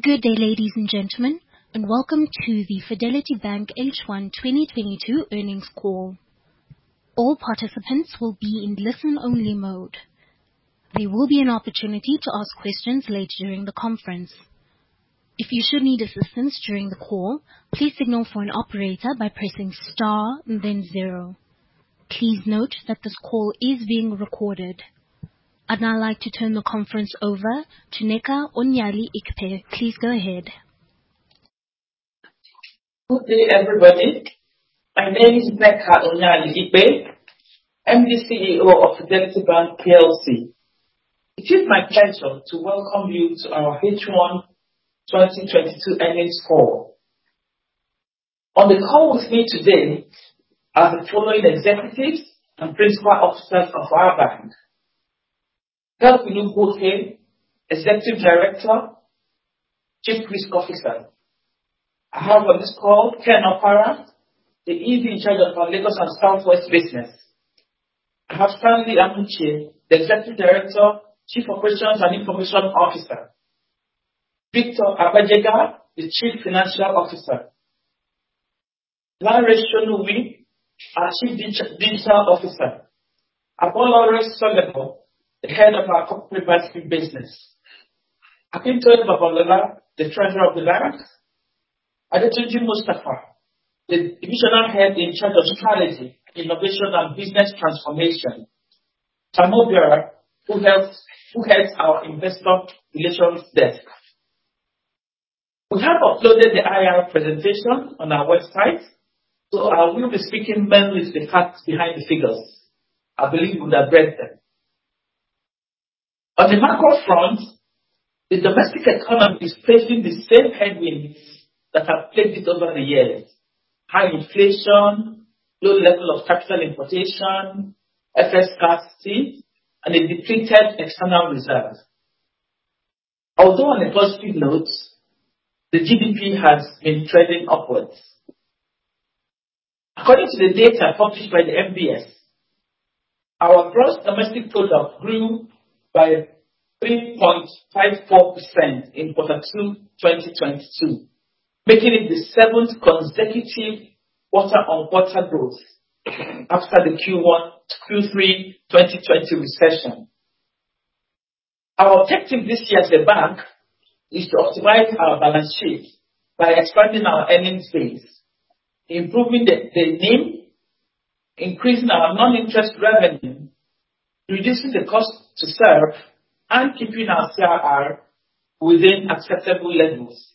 Good day, ladies and gentlemen, and welcome to the Fidelity Bank H1 2022 earnings call. All participants will be in listen-only mode. There will be an opportunity to ask questions later during the conference. If you should need assistance during the call, please signal for an operator by pressing star and then zero. Please note that this call is being recorded. I'd now like to turn the conference over to Nneka Onyeali-Ikpe. Please go ahead. Good day, everybody. My name is Nneka Onyeali-Ikpe, MD/CEO of Fidelity Bank Plc. It is my pleasure to welcome you to our H1 2022 earnings call. On the call with me today are the following executives and principal officers of our bank. Kevin Ugwuoke, Executive Director/Chief Risk Officer. I have on this call Ken Opara, the ED in charge of our Lagos and Southwest business. I have Stanley Amuchie, the Executive Director/Chief Operations and Information Officer. Victor Abejegah, the Chief Financial Officer. Lanre Sonubi, our Chief Digital Officer. Abolore Solebo, the Head of our Corporate Banking Business. Akintoye Babalola, the Treasurer of the Bank. Adetunji Mustafa, the Divisional Head in Charge of Technology, Innovation, and Business Transformation. Samuel Obioha, who Head our Investor Relations desk. We have uploaded the IR presentation on our website, so I will be speaking mainly with the facts behind the figures. I believe you would address them. On the macro front, the domestic economy is facing the same headwinds that have plagued it over the years. High inflation, low level of capital importation, FX scarcity, and a depleted external reserve. Although on a positive note, the GDP has been trending upwards. According to the data published by the NBS, our Gross Domestic Product grew by 3.54% in Q2 2022, making it the seventh consecutive quarter-on-quarter growth after the Q1 2020 recession. Our objective this year at the bank is to optimize our balance sheet by expanding our earnings base, improving the NIM, increasing our non-interest revenue, reducing the cost to serve, and keeping our CRR within acceptable levels.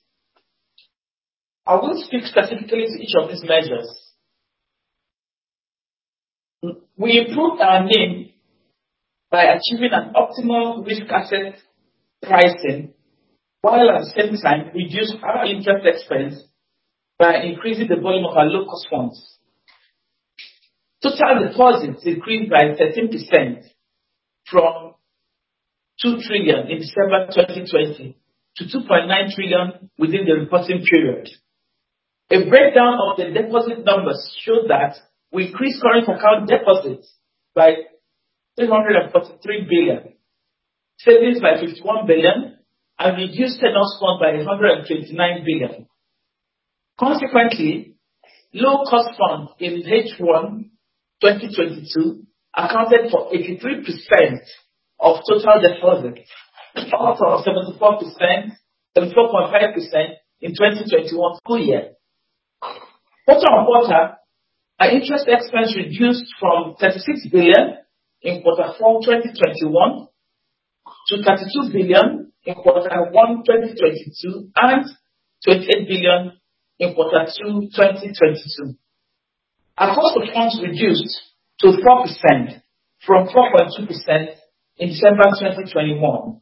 I will speak specifically to each of these measures. We improved our NIM by achieving an optimal risk asset pricing, while at the same time reduced our interest expense by increasing the volume of our low-cost funds. Total deposits increased by 13% from 2 trillion in December 2020 to 2.9 trillion within the reporting period. A breakdown of the deposit numbers show that we increased current account deposits by 343 billion, savings by 51 billion, and reduced tenor funds by 129 billion. Consequently, low cost funds in H1 2022 accounted for 83% of total deposits, up from 74%, 74.5% in 2021 full year. Quarter-on-quarter, our interest expense reduced from 36 billion in quarter four, 2021 to 32 billion in quarter one, 2022, and 28 billion in quarter two, 2022. Our cost of funds reduced to 4% from 4.2% in December 2021.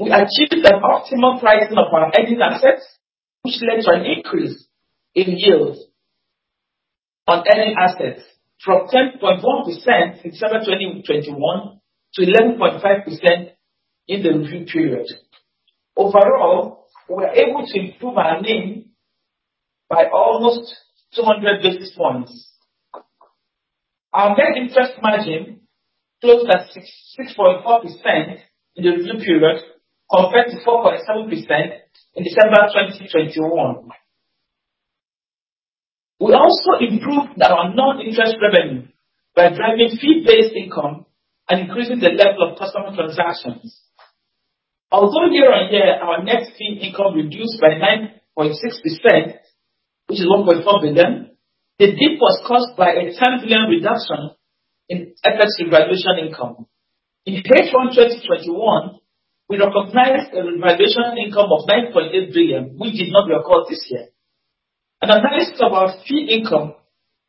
We achieved an optimal pricing of our earning assets, which led to an increase in yields on earning assets from 10.1% December 2021 to 11.5% in the review period. Overall, we were able to improve our NIM by almost 200 basis points. Our net interest margin closed at 6.4% in the review period, compared to 4.7% in December 2021. We also improved our non-interest revenue by driving fee-based income and increasing the level of customer transactions. Although year on year our net fee income reduced by 9.6%, which is 1.4 billion, the dip was caused by a 10 billion reduction in FX revaluation income. In H1 2021, we recognized a revaluation income of 9.8 billion, which did not reoccur this year. An analysis of our fee income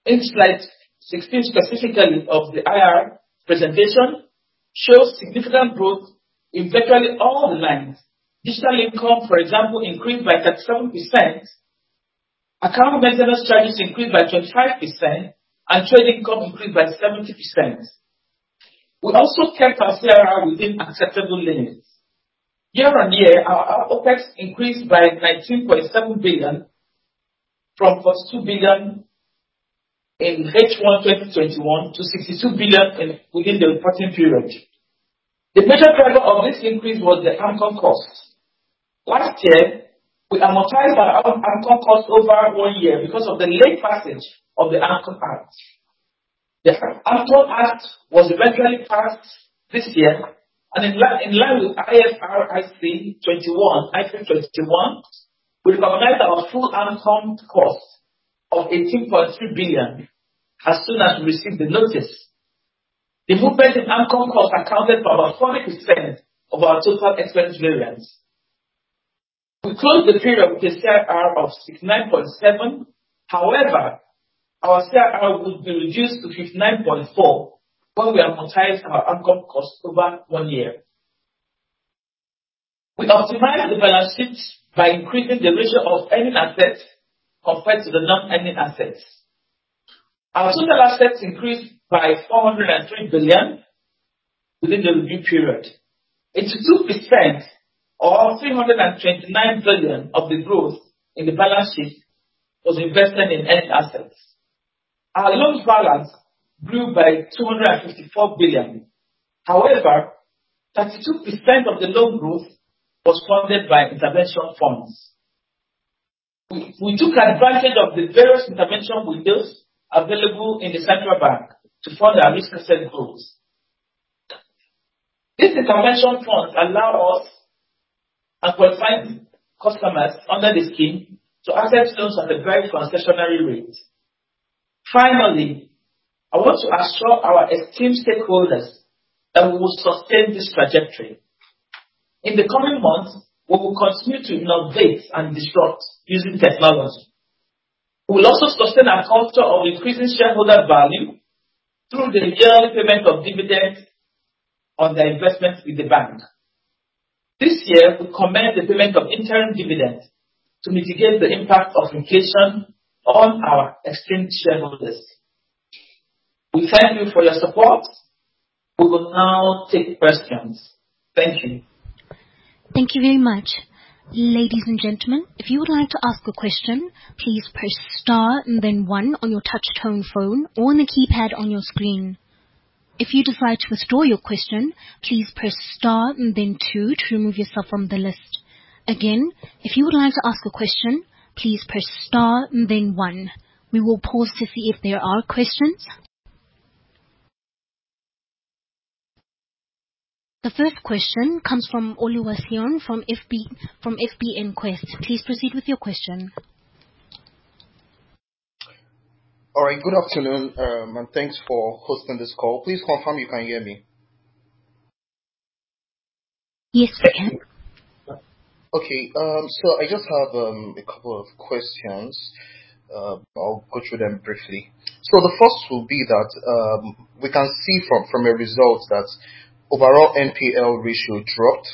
in slide 16 specifically of the IR presentation shows significant growth in virtually all lines. Digital income, for example, increased by 37%, account maintenance charges increased by 25%, and trade income increased by 70%. We also kept our CRR within acceptable limits. Year-on-year, our OpEx increased by 19.7 billion from +2 billion in H1 2021 to 62 billion within the reporting period. The major driver of this increase was the AMCON cost. Last year, we amortized our AMCON cost over one year because of the late passage of the AMCON Act. The AMCON Act was eventually passed this year, and in line with IFRIC 21, we recognized our full AMCON cost of 18.3 billion as soon as we received the notice. The movement in AMCON cost accounted for about 40% of our total expense variance. We closed the period with a CIR of 69.7. However, our CIR would be reduced to 59.4 when we amortize our AMCON cost over one year. We optimized the balance sheet by increasing the ratio of earning assets compared to the non-earning assets. Our total assets increased by 403 billion within the review period. 82% or 329 billion of the growth in the balance sheet was invested in earning assets. Our loan balance grew by 254 billion. However, 32% of the loan growth was funded by intervention funds. We took advantage of the various intervention windows available in the Central Bank to fund our risk asset growth. These intervention funds allow us and qualified customers under the scheme to access loans at a very concessional rate. Finally, I want to assure our esteemed stakeholders that we will sustain this trajectory. In the coming months, we will continue to innovate and disrupt using technology. We'll also sustain our culture of increasing shareholder value through the yearly payment of dividends on their investments with the bank. This year, we commend the payment of interim dividends to mitigate the impact of inflation on our esteemed shareholders. We thank you for your support. We will now take questions. Thank you. Thank you very much. Ladies and gentlemen, if you would like to ask a question, please press star and then one on your touch tone phone or on the keypad on your screen. If you decide to withdraw your question, please press star and then two to remove yourself from the list. Again, if you would like to ask a question, please press star and then one. We will pause to see if there are questions. The first question comes from Oluwaseun from FBN, from FBNQuest. Please proceed with your question. All right. Good afternoon. Thanks for hosting this call. Please confirm you can hear me. Yes, we can. I just have a couple of questions. I'll go through them briefly. The first will be that we can see from your results that overall NPL ratio dropped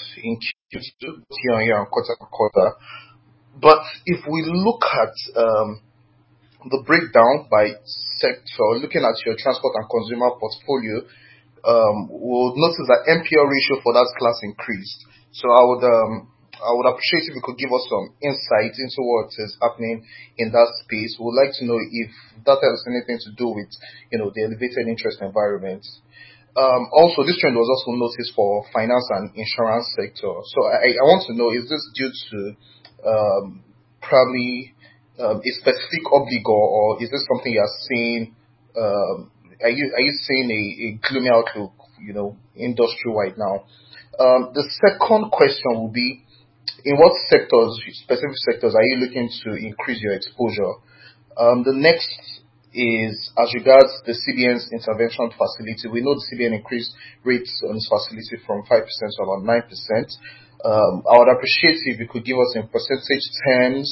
quarter-on-quarter. If we look at the breakdown by sector, looking at your transport and consumer portfolio, we'll notice that NPL ratio for that class increased. I would appreciate if you could give us some insight into what is happening in that space. We would like to know if that has anything to do with, you know, the elevated interest environment. Also this trend was also noticed for finance and insurance sector. I want to know, is this due to probably a specific obligor, or is this something you are seeing? Are you seeing a gloomy outlook, you know, industry-wide now? The second question will be, in what sectors, specific sectors, are you looking to increase your exposure? The next is as regards the CBN's intervention facility. We know CBN increased rates on this facility from 5% to about 9%. I would appreciate if you could give us in percentage terms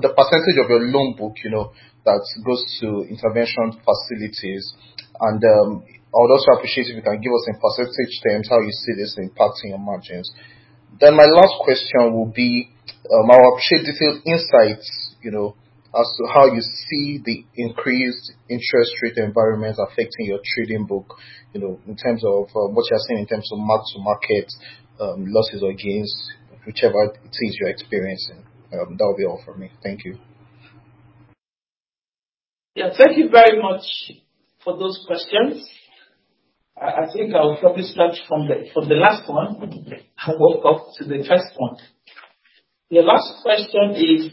the percentage of your loan book, you know, that goes to intervention facilities. I would also appreciate if you can give us in percentage terms how you see this impacting your margins. My last question would be, I would appreciate detailed insights, you know, as to how you see the increased interest rate environment affecting your trading book. You know, in terms of, what you are seeing in terms of mark-to-market, losses or gains, whichever it is you're experiencing. That will be all from me. Thank you. Thank you very much for those questions. I think I'll probably start from the last one and work up to the first one. Your last question is,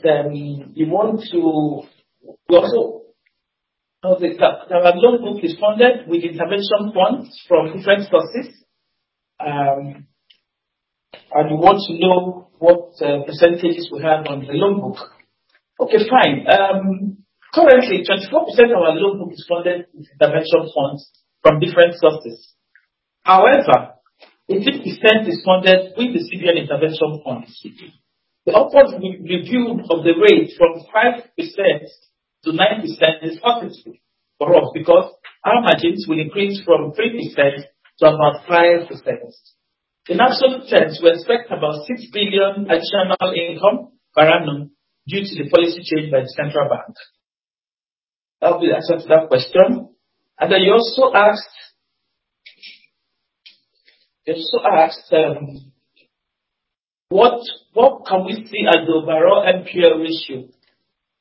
you want to also know the top. Now our loan book is funded with intervention funds from different sources. And you want to know what percentages we have on the loan book. Okay, fine. Currently 24% of our loan book is funded with intervention funds from different sources. However, 18% is funded with the CBN intervention funds. The upward re-review of the rate from 5% to 9% is positive for us because our margins will increase from 3% to about 5%. In absolute terms, we expect about 6 billion additional income per annum due to the policy change by the Central Bank. That will be the answer to that question. You also asked what can we see as the overall NPL ratio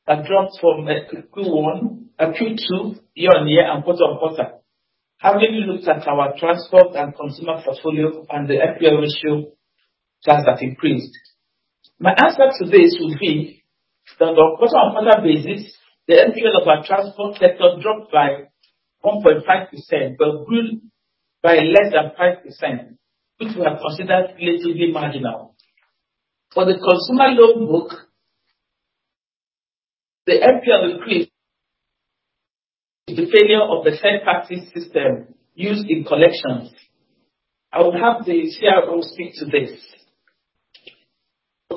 had dropped from Q1 Q2 year-on-year and quarter on quarter. Having looked at our transport and consumer portfolio and the NPL ratio that have increased. My answer to this would be that on a quarter-on-quarter basis, the NPL of our transport sector dropped by 1.5%, but grew by less than 5%, which we have considered relatively marginal. For the consumer loan book, the NPL increase is the failure of the third-party system used in collections. I will have the CRO speak to this.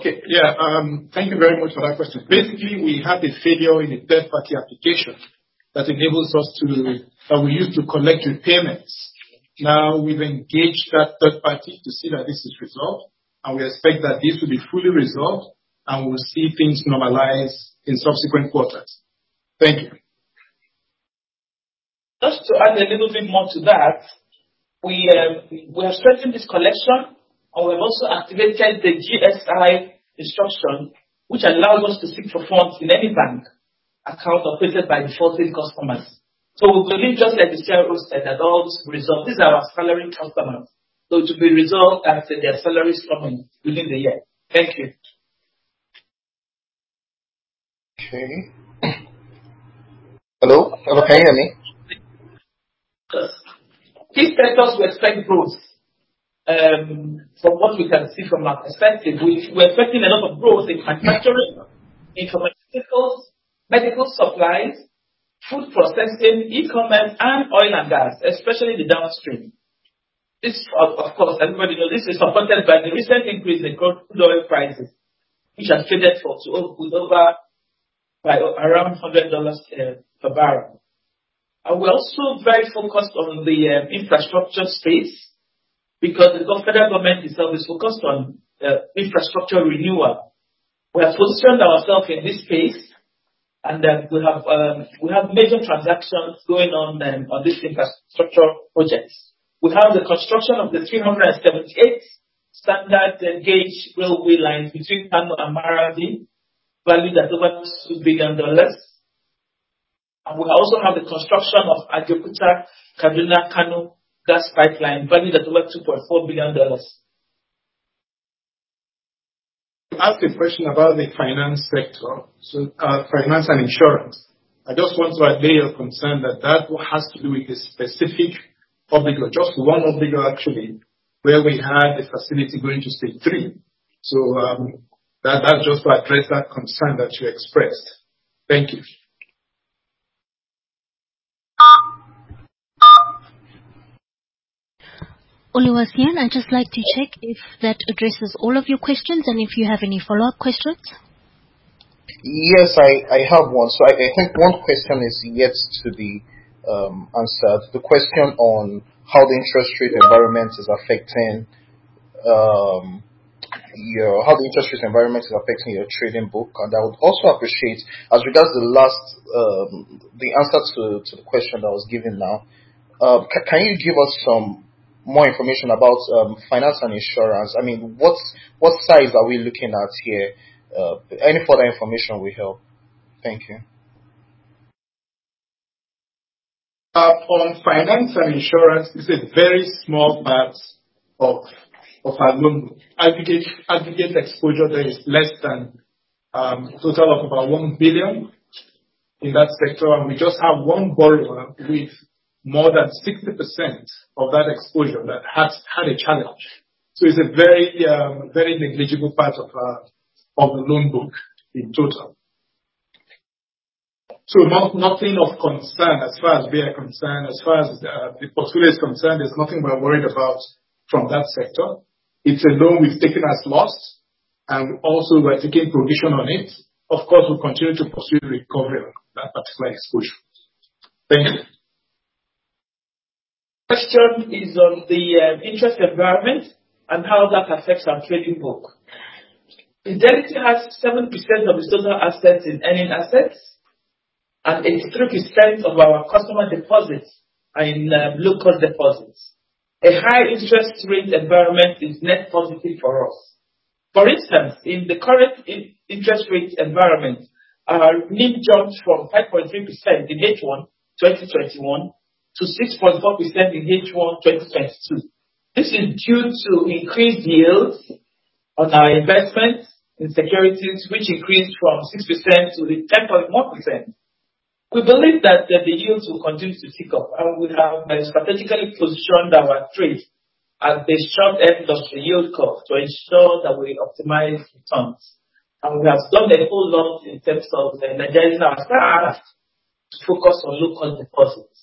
Thank you very much for that question. Basically, we had a failure in a third-party application that we use to collect repayments. Now we've engaged that third party to see that this is resolved, and we expect that this will be fully resolved and we'll see things normalize in subsequent quarters. Thank you. Just to add a little bit more to that, we are strengthening this collection, and we've also activated the GSI instruction, which allows us to seek for funds in any bank account operated by defaulting customers. We believe, just like the CRO said, that all this will resolve. These are our salary customers, so it will be resolved after their salaries come in within the year. Thank you. Okay. Hello? Can you hear me? These sectors we expect growth. From what we can see from our perspective, we're expecting a lot of growth in manufacturing, pharmaceuticals, medical supplies, food processing, e-commerce, and oil and gas, especially the downstream. This, of course, everybody know this is supported by the recent increase in crude oil prices, which has traded to over around $100 per barrel. We're also very focused on the infrastructure space because the federal government itself is focused on infrastructure renewal. We have positioned ourselves in this space, and we have major transactions going on in this infrastructure projects. We have the construction of the 378 standard gauge railway line between Kano and Maradi, valued at over $2 billion. We also have the construction of Ajaokuta-Kaduna-Kano gas pipeline valued at over $2.4 billion. You asked a question about the finance sector, so finance and insurance. I just want to allay your concern that that has to do with a specific public, or just one public actually, where we had a facility going to stage three. That just to address that concern that you expressed. Thank you. Oluwaseun, I'd just like to check if that addresses all of your questions and if you have any follow-up questions. Yes, I have one. I think one question is yet to be answered. The question on how the interest rate environment is affecting your trading book. I would also appreciate, as regards to the last, the answer to the question that was given now, can you give us some more information about finance and insurance? I mean, what size are we looking at here? Any further information will help. Thank you. On finance and insurance, this is a very small part of our loan book. Aggregate exposure there is less than a total of about 1 billion in that sector. We just have one borrower with more than 60% of that exposure that has had a challenge. It's a very negligible part of the loan book in total. Nothing of concern as far as we are concerned. As far as the portfolio is concerned, there's nothing we're worried about from that sector. It's a loan we've taken as loss, and also we're taking provision on it. Of course, we'll continue to pursue recovery on that particular exposure. Thank you. Question is on the interest environment and how that affects our trading book. Fidelity has 7% of its total assets in earning assets, and 83% of our customer deposits are in low-cost deposits. A high interest rate environment is net positive for us. For instance, in the current interest rate environment, our NIM jumped from 5.3% in H1 2021 to 6.1% in H1 2022. This is due to increased yields on our investments in securities, which increased from 6% -10.1%. We believe that the yields will continue to tick up, and we have strategically positioned our trades at the short end of the yield curve to ensure that we optimize returns. We have done a whole lot in terms of energizing our staff to focus on low-cost deposits.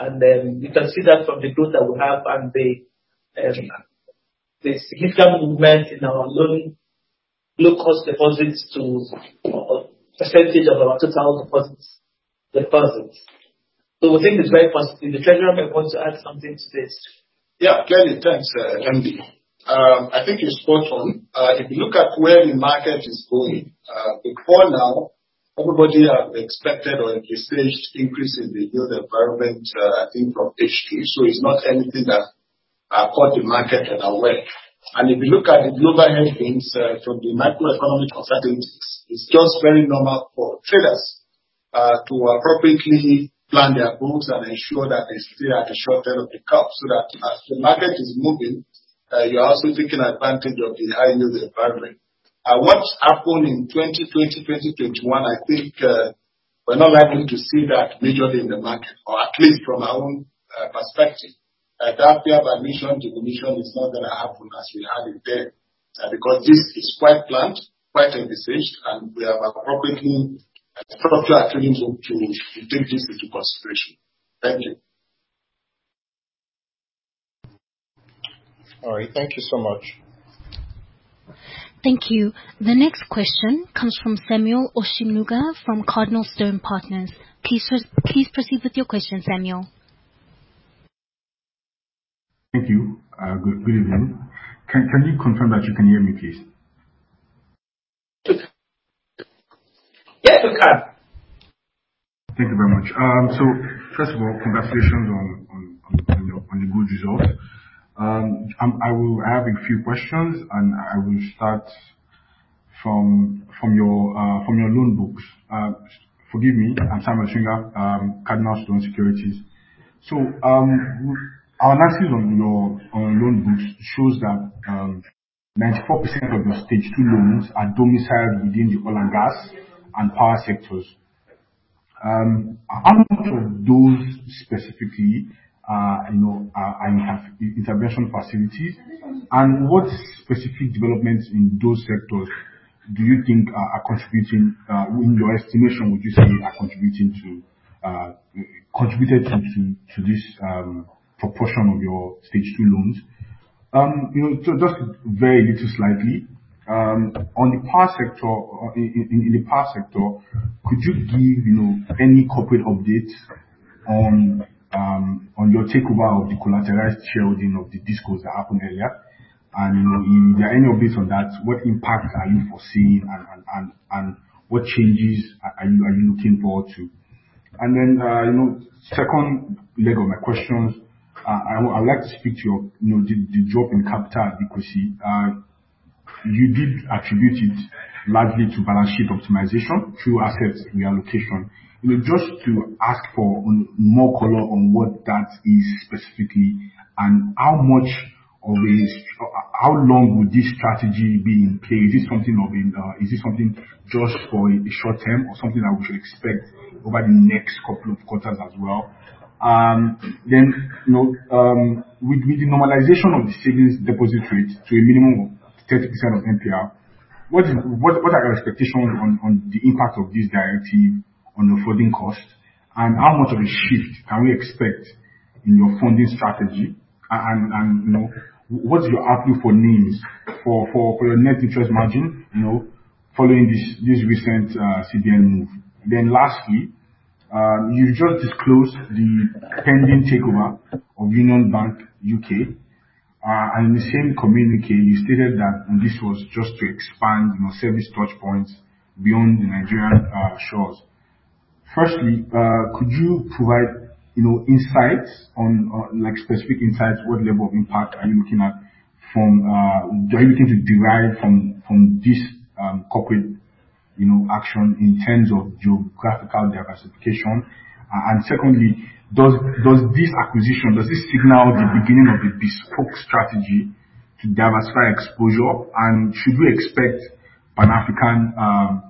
You can see that from the growth that we have and the significant movement in our low-cost deposits to a percentage of our total deposits. We think it's very positive. The Treasurer may want to add something to this. Yeah. Clearly. Thanks, MD. I think you're spot on. If you look at where the market is going- Before now, everybody had expected or envisaged increase in the yield environment, I think from HQ. It's not anything that caught the market unaware. If you look at the global headwinds from the macroeconomic uncertainties, it's just very normal for traders to appropriately plan their books and ensure that they stay at the short end of the curve, so that as the market is moving, you're also taking advantage of the high yield environment. What happened in 2020, 2021, I think, we're not likely to see that majorly in the market, or at least from our own perspective. That fear by mission definition is not gonna happen as we had it then, because this is quite planned, quite envisaged, and we have appropriately structured our trading to take this into consideration. Thank you. All right. Thank you so much. Thank you. The next question comes from Samuel Oshinuga from CardinalStone Partners. Please proceed with your question, Samuel. Thank you. Good evening. Can you confirm that you can hear me, please? Yes, we can. Thank you very much. First of all, congratulations on your good results. I have a few questions, and I will start from your loan books. Forgive me, I'm Samuel Oshinuga, CardinalStone Securities. Our analysis on your loan books shows that 94% of your stage two loans are domiciled within the oil and gas and power sectors. How much of those specifically, you know, are in intervention facilities, and what specific developments in those sectors do you think are contributing, in your estimation, would you say are contributing to contributed to this proportion of your stage two loans? You know, so just very slightly on the power sector, in the power sector, could you give, you know, any corporate updates on your takeover of the collateralized shareholding of the DisCos that happened earlier? You know, if there are any updates on that, what impact are you foreseeing and what changes are you looking forward to? You know, second leg of my questions, I would like to speak to the drop in capital adequacy. You did attribute it largely to balance sheet optimization through asset reallocation. You know, just to ask for more color on what that is specifically and how long would this strategy be in play? Is this something just for short term or something that we should expect over the next couple of quarters as well? You know, with the normalization of the savings deposit rates to a minimum of 30% of MPR, what are your expectations on the impact of this directive on your funding cost? How much of a shift can we expect in your funding strategy? You know, what's your outlook for your net interest margin following this recent CBN move? Lastly, you just disclosed the pending takeover of Union Bank UK, and in the same communique, you stated that this was just to expand service touchpoints beyond the Nigerian shores. Firstly, could you provide, you know, insights on, like specific insights, what level of impact are you looking at from that you're looking to derive from this corporate, you know, action in terms of geographical diversification? Secondly, does this acquisition signal the beginning of the bespoke strategy to diversify exposure, and should we expect pan-African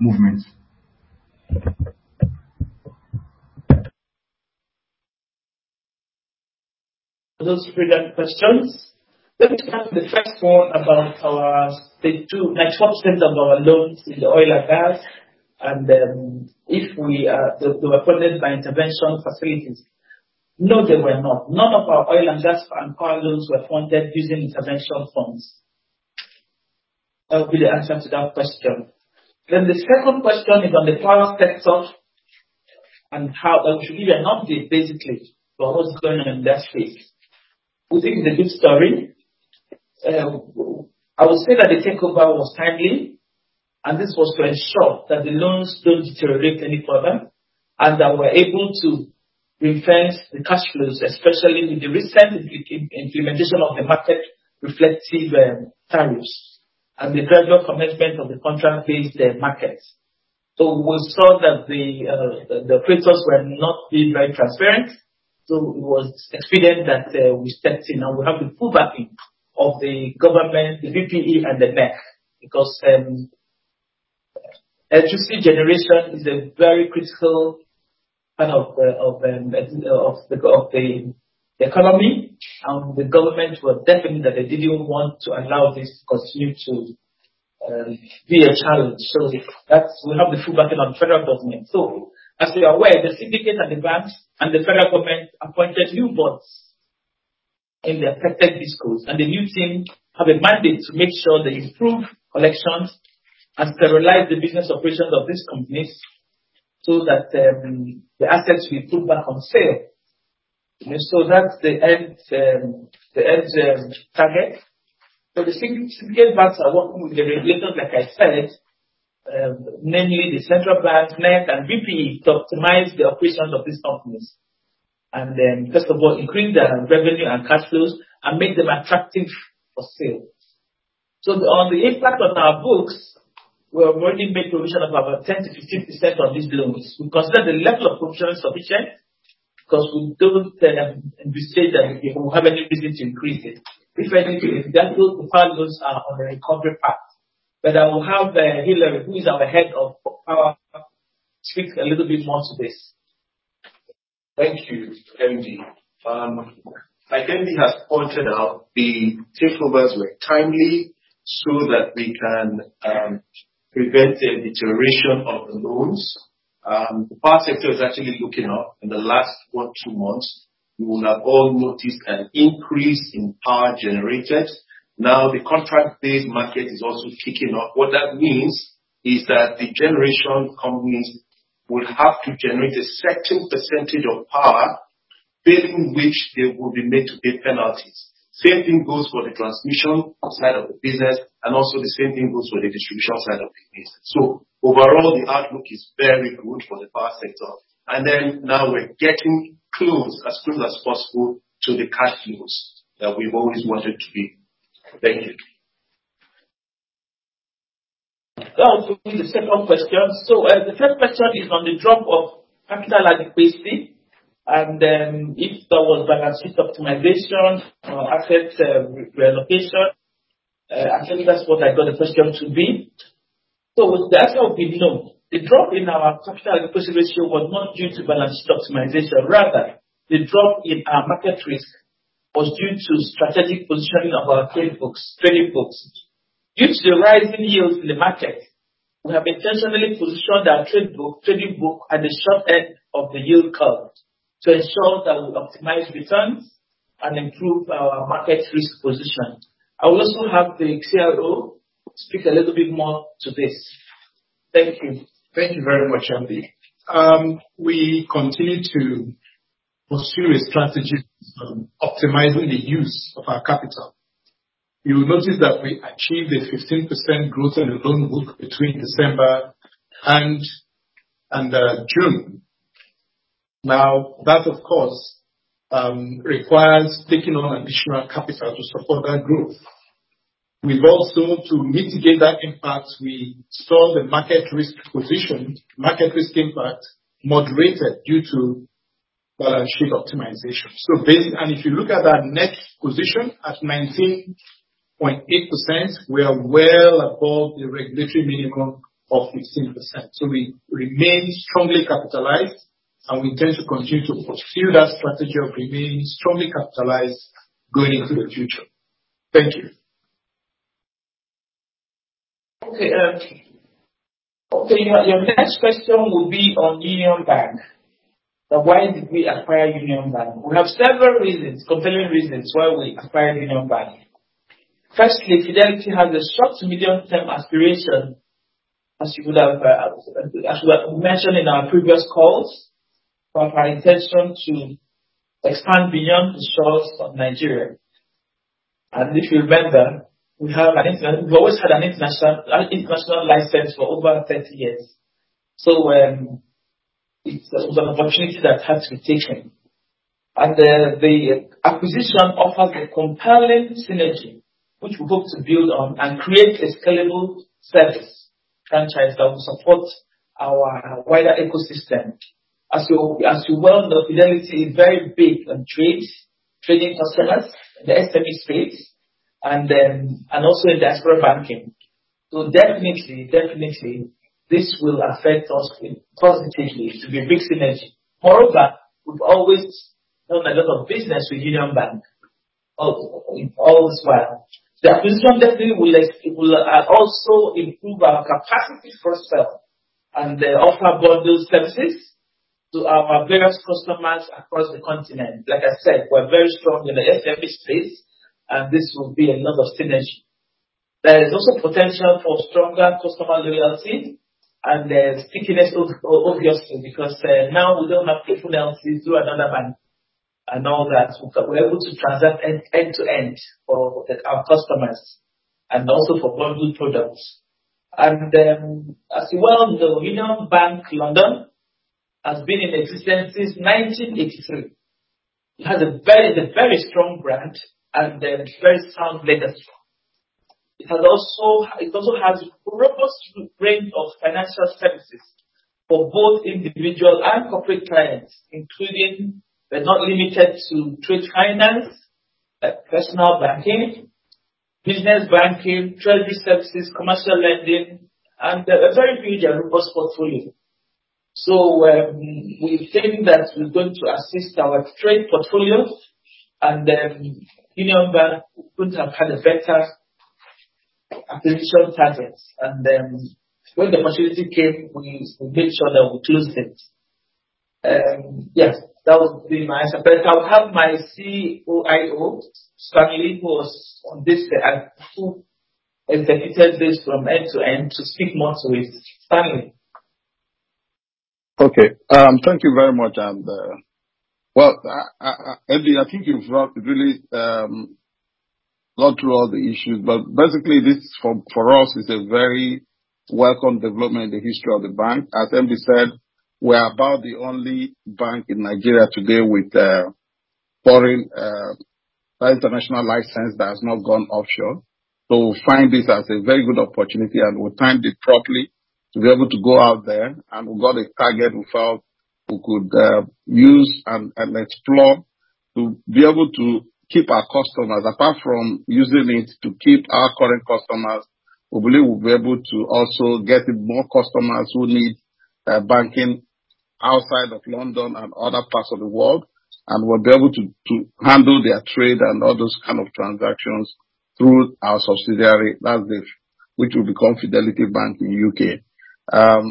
movements? Those three main questions. Let me take the first one about our stage two. 94% of our loans in the oil and gas, and they were funded by intervention facilities. No, they were not. None of our oil and gas and power loans were funded using intervention funds. I hope that's the answer to that question. The second question is on the power sector. To give you an update basically for what is going on in that space. We think it's a good story. I would say that the takeover was timely, and this was to ensure that the loans don't deteriorate any further, and that we're able to refresh the cash flows, especially with the recent implementation of the market reflective tariffs and the gradual commencement of the contract-based markets. We saw that the operators were not being very transparent, so it was expedient that we stepped in, and we have the full backing of the government, the BPE and the bank. Because electricity generation is a very critical part of the economy, and the government were definite that they didn't want to allow this to continue to be a challenge. We have the full backing of the federal government. As we are aware, the syndicate and the banks and the federal government appointed new boards in the affected DisCos, and the new team have a mandate to make sure they improve collections and stabilize the business operations of these companies so that the assets we took back on sale. That's the end target. The significant banks are working with the regulators, like I said, namely the Central Bank, NERC and BPE, to optimize the operations of these companies. First of all, increase their revenue and cash flows and make them attractive for sales. On the impact on our books, we have already made provision of about 10%-15% of these loans. We consider the level of provision sufficient because we don't anticipate that we will have any business increase it. If anything, that those two partners are on the recovery path. I will have Hillary, who is our Head of Power, speak a little bit more to this. Thank you, MD. Like MD has pointed out, the takeovers were timely so that we can prevent a deterioration of the loans. The power sector is actually looking up in the last 1-2 months. You will have all noticed an increase in power generated. Now, the contract-based market is also kicking off. What that means is that the generation companies will have to generate a certain percentage of power, failing which they will be made to pay penalties. Same thing goes for the transmission side of the business, and also the same thing goes for the distribution side of the business. Overall, the outlook is very good for the power sector. Then now we're getting close, as close as possible, to the cash flows that we've always wanted to be. Thank you. Now to the second question. The third question is on the drop of capital and liquidity, and, if that was balance sheet optimization or asset, reallocation. I think that's what I got the question to be. The answer would be no. The drop in our capital liquidity ratio was not due to balance sheet optimization. Rather, the drop in our market risk was due to strategic positioning of our trading books. Due to the rising yields in the market, we have intentionally positioned our trading book at the short end of the yield curve to ensure that we optimize returns and improve our market risk position. I will also have the CRO speak a little bit more to this. Thank you. Thank you very much, MD. We continue to pursue a strategy of optimizing the use of our capital. You will notice that we achieved a 15% growth in the loan book between December and June. Now, that, of course, requires taking on additional capital to support that growth. We've also, to mitigate that impact, we saw the market risk impact moderated due to balance sheet optimization. If you look at our net position at 19.8%, we are well above the regulatory minimum of 15%. We remain strongly capitalized, and we intend to continue to pursue that strategy of remaining strongly capitalized going into the future. Thank you. Your next question will be on Union Bank, on why we acquired Union Bank. We have several reasons, continuing reasons why we acquired Union Bank. Firstly, Fidelity has a short to medium term aspiration, as you would have, as we have mentioned in our previous calls, of our intention to expand beyond the shores of Nigeria. If you remember, we've always had an international license for over 30 years. It is an opportunity that had to be taken. The acquisition offers a compelling synergy, which we hope to build on and create a scalable service franchise that will support our wider ecosystem. As you're well aware, Fidelity is very big on trade customers in the SME space and also in Diaspora Banking. Definitely this will affect us positively. It will be a big synergy. Moreover, we've always done a lot of business with Union Bank all this while. The acquisition definitely will, like, it will also improve our capacity for scale and offer bundled services to our various customers across the continent. Like I said, we're very strong in the SME space, and this will be another synergy. There is also potential for stronger customer loyalty and stickiness also because now we don't have to in-house it through another bank and all that. We're able to transact end-to-end for our customers and also for bundled products. As you're aware of, the Union Bank London has been in existence since 1983. It has a very strong brand and very sound legacy. It also has a robust range of financial services for both individual and corporate clients, including, but not limited to trade finance, personal banking, business banking, treasury services, commercial lending, and a very big and robust portfolio. We think that we're going to assist our trade portfolio and Union Bank couldn't have had a better acquisition target. When the opportunity came, we made sure that we closed it. Yes, that would be my answer. I'll have my COIO, Stanley, who was on this, who executed this from end-to-end to speak more to it. Stanley Okay. Thank you very much and, MD, I think you've gone through all the issues, but basically this for us is a very welcome development in the history of the bank. As MD said, we're about the only bank in Nigeria today with foreign or international license that has not gone offshore. We find this as a very good opportunity, and we timed it properly to be able to go out there. We've got a target we felt we could use and explore to be able to keep our customers. Apart from using it to keep our current customers, we believe we'll be able to also get more customers who need banking outside of London and other parts of the world. We'll be able to to handle their trade and all those kind of transactions through our subsidiary, that's if which will become Fidelity Bank in the U.K.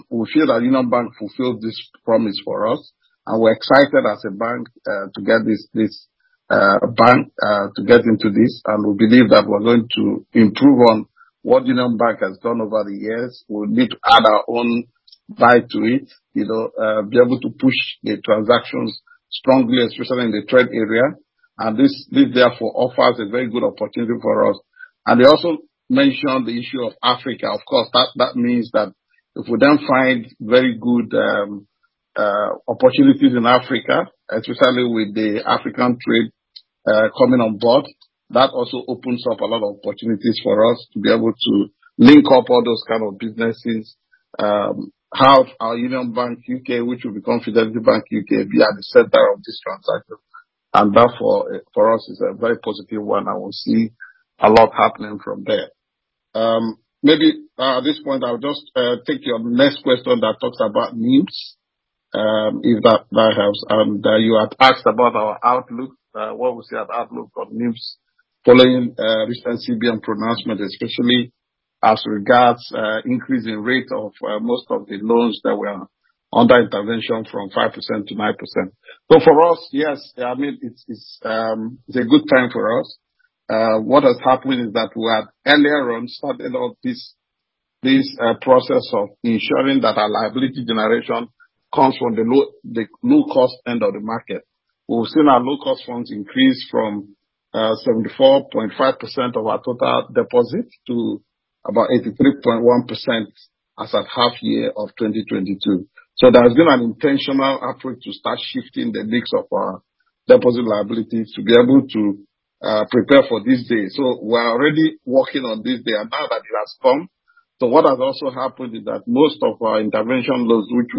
We feel that Union Bank fulfills this promise for us, and we're excited as a bank to get this bank to get into this. We believe that we're going to improve on what Union Bank has done over the years. We'll need to add our own vibe to it, you know, be able to push the transactions strongly, especially in the trade area. This therefore offers a very good opportunity for us. You also mentioned the issue of Africa. Of course, that means that if we then find very good opportunities in Africa, especially with the African trade coming on board, that also opens up a lot of opportunities for us to be able to link up all those kind of businesses, have our Union Bank UK, which will become Fidelity Bank U.K., be at the center of this transaction. Therefore, for us it's a very positive one, and we'll see a lot happening from there. Maybe at this point I'll just take your next question that talks about NIMs, if that helps. You had asked about our outlook, what we see as outlook for NIMs following recent CBN pronouncement, especially as regards increasing rate of most of the loans that were under intervention from 5%-9%. For us, yes, I mean, it's a good time for us. What has happened is that we had earlier on started off this process of ensuring that our liability generation comes from the low-cost end of the market. We've seen our low-cost funds increase from 74.5% of our total deposits to about 83.1% as at half year of 2022. There has been an intentional effort to start shifting the mix of our deposit liabilities to be able to prepare for this day. We're already working on this day and now that it has come. What has also happened is that most of our intervention loans which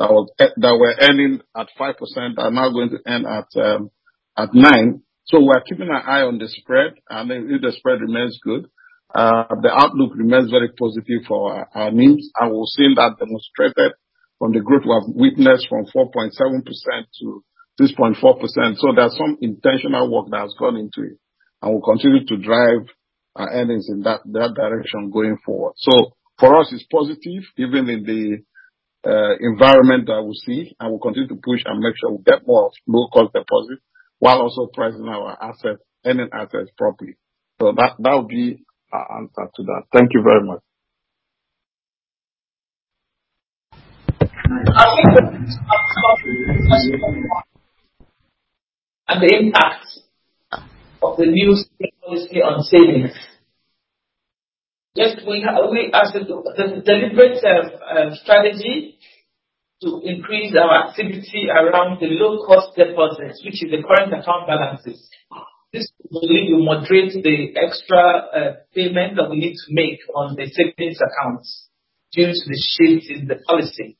were ending at 5% are now going to end at 9%. We're keeping an eye on the spread, and if the spread remains good, the outlook remains very positive for our NIMs. We've seen that demonstrated on the growth we have witnessed from 4.7%-3.4%. There's some intentional work that has gone into it, and we'll continue to drive our earnings in that direction going forward. For us, it's positive even in the environment that we see, and we'll continue to push and make sure we get more low-cost deposits while also pricing our assets, earning assets properly. That would be our answer to that. Thank you very much. The impact of the new state policy on savings. Yes, we have a deliberate strategy to increase our activity around the low-cost deposits, which is the current account balances. This will really moderate the extra payment that we need to make on the savings accounts due to the shift in the policy,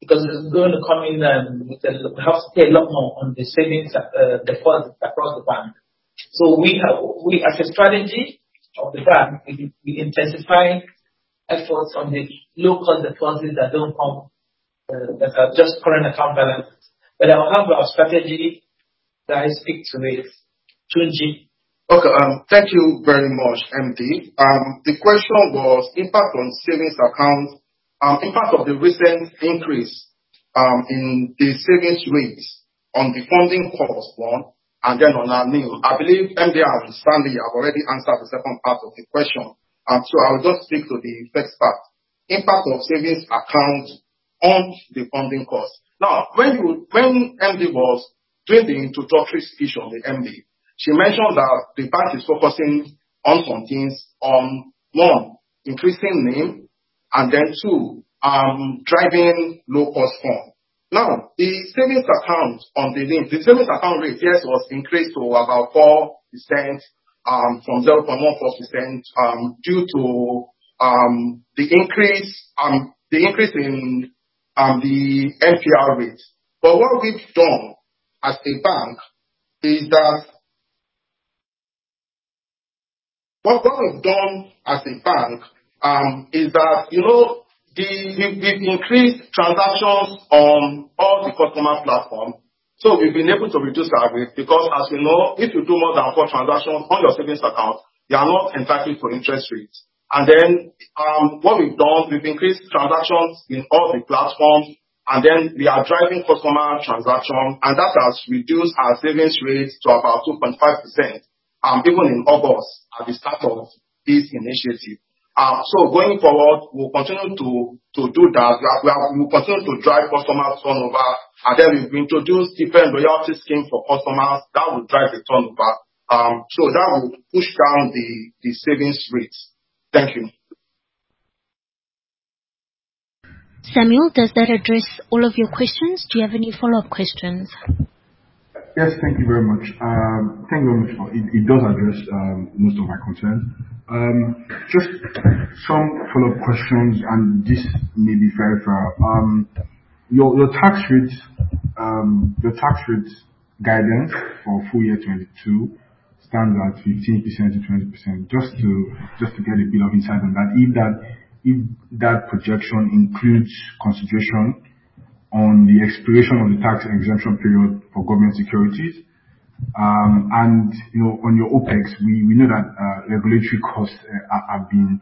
because it is going to come in, we have to pay a lot more on the savings deposit across the bank. We have a strategy of the bank. We intensify efforts on the low-cost deposits that are just current account balances. On top of our strategy that I speak to Adetunji. Okay. Thank you very much, MD. The question was impact on savings account, impact of the recent increase, in the savings rates on the funding costs, one, and then on our NIM. I believe MD and Stanley have already answered the second part of the question, and so I will just speak to the first part. Impact of savings accounts on the funding costs. Now, when MD was doing the introductory speech of the MD, she mentioned that the bank is focusing on some things. One, increasing NIM, and then two, driving low cost fund. Now, the savings account on the NIM. The savings account rate, yes, was increased to about 4%, from 0.14%, due to the increase in the MPR rates. What we've done as a bank is that, you know, we've increased transactions on all the customer platforms, so we've been able to reduce our rates because as you know, if you do more than four transactions on your savings account, you are not entitled for interest rates. What we've done, we've increased transactions in all the platforms, and we are driving customer transaction, and that has reduced our savings rates to about 2.5%. Even in August at the start of this initiative. Going forward, we'll continue to do that. We'll continue to drive customer turnover, and then we've introduced different loyalty schemes for customers that will drive the turnover. That will push down the savings rates. Thank you. Samuel, does that address all of your questions? Do you have any follow-up questions? Yes. Thank you very much. Thank you very much for that. It does address most of my concerns. Just some follow-up questions, and this may be for your tax rates. Your tax rates guidance for full year 2022 stands at 15%-20%. Just to get a bit of insight on that, if that projection includes consideration on the expiration of the tax exemption period for government securities. You know, on your OpEx, we know that regulatory costs have been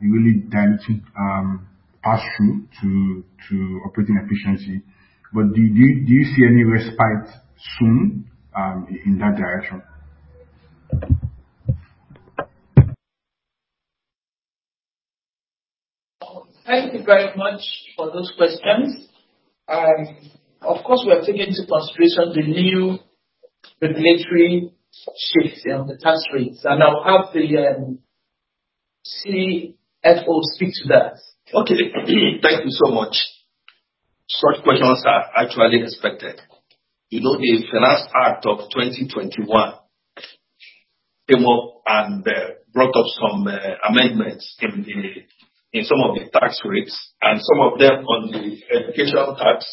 really directly passed through to operating efficiency. Do you see any respite soon in that direction? Thank you very much for those questions. Of course, we are taking into consideration the new regulatory shifts on the tax rates, and I'll have the CFO speak to that. Okay. Thank you so much. Such questions are actually expected. You know, the Finance Act 2021 came up and brought up some amendments in some of the tax rates, and some of them on the educational tax